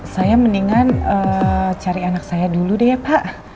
saya mendingan cari anak saya dulu deh ya pak